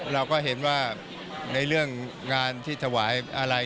เราก็เห็นว่าในเรื่องงานที่ถวายอะไร